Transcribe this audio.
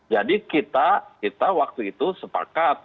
jadi kita kita waktu itu sepakat